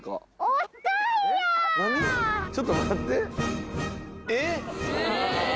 ちょっと待って。